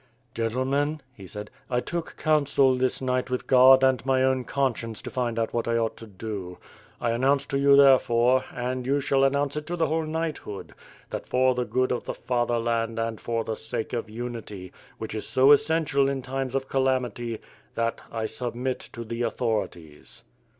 "Gentlemen," he said, "I took counsel this night with God and my own conscience to find out what I ought to do. I announce to you, therefore, and you shall announce it to the whole knighthood, that for the good of the fatherland and for the sake of unity, which is so essential in times of calam ity, that I submit to the authorities.